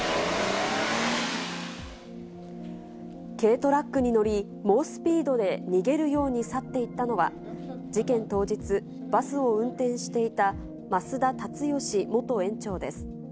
軽トラックに乗り、猛スピードで逃げるように去っていったのは、事件当日、バスを運転していた増田立義元園長です。